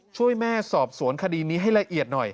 ช่วยแม่สอบสวนคดีนี้ให้ละเอียดหน่อย